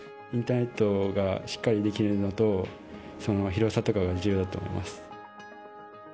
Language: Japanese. インターネットがしっかりできるのと広さとかが重要だと思います。